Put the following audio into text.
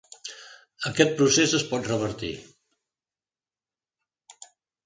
Aquest procés es pot revertir.